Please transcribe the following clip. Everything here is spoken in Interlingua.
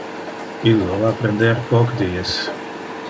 Illo va prender poc dies.